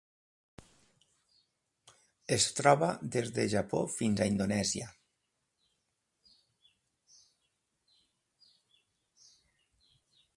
Es troba des del Japó fins a Indonèsia.